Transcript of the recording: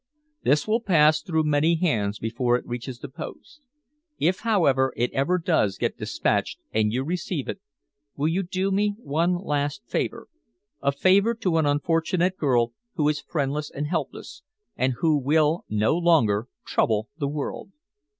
"This will pass through many hands before it reaches the post. If, however, it ever does get despatched and you receive it, will you do me one last favor a favor to an unfortunate girl who is friendless and helpless, and who will no longer trouble the world?